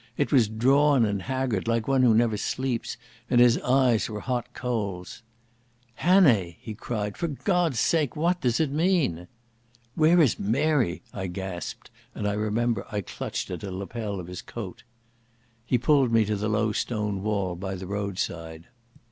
It was drawn and haggard like one who never sleeps, and his eyes were hot coals. "Hannay," he cried, "for God's sake what does it mean?" "Where is Mary?" I gasped, and I remember I clutched at a lapel of his coat. He pulled me to the low stone wall by the roadside.